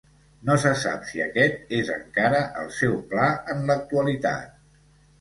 No se sap si aquest és encara el seu pla en l'actualitat.